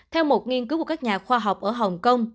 theo một nghiên cứu của các nhà khoa học ở hồng kông